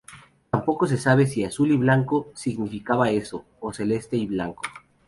Tampoco se sabe si "azul y blanco" significaba eso o "celeste y blanco".